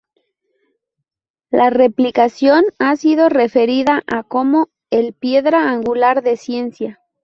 La replicación ha sido referida a como "el piedra angular de ciencia".